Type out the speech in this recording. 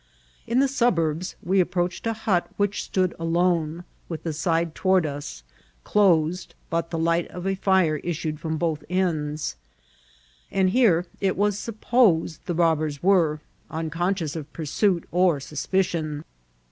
In the suburbs we approached a hut which stood alone, with the side toward us, closed, but the light of a fire issued from both ends ; and here it was supposed the robbers were, unconscious of pursuit or suspicion.